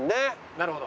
なるほど。